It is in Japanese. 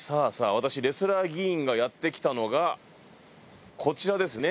私レスラー議員がやって来たのがこちらですね。